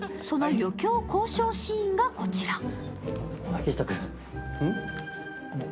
その余興交渉シーンがこちら。